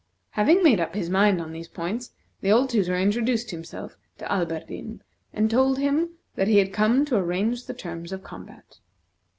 Having made up his mind on these points, the old tutor introduced himself to Alberdin, and told him that he had come to arrange the terms of combat.